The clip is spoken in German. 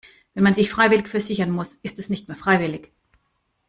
Wenn man sich freiwillig versichern muss, ist es nicht mehr freiwillig.